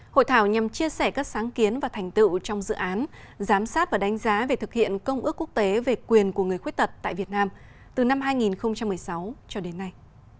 hội thảo nhằm chia sẻ các sáng kiến và thành tựu trong dự án giám sát và đánh giá về thực hiện công ước quốc tế về quyền của người khuyết tật tại việt nam từ năm hai nghìn một mươi sáu cho đến nay